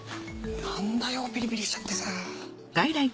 なんだよピリピリしちゃってさ。